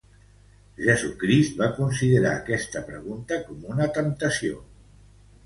Jesucrist va considerar esta pregunta com una temptació.